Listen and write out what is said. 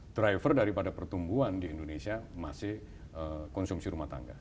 driver daripada pertumbuhan di indonesia masih konsumsi rumah tangga